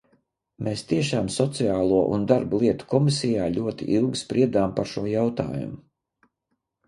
Mēs tiešām Sociālo un darba lietu komisijā ļoti ilgi spriedām par šo jautājumu.